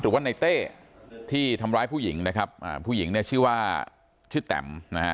หรือว่าในเต้ที่ทำร้ายผู้หญิงนะครับอ่าผู้หญิงเนี่ยชื่อว่าชื่อแตมนะฮะ